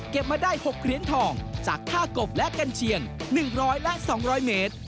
มาได้๖เหรียญทองจากท่ากบและกัญเชียง๑๐๐และ๒๐๐เมตร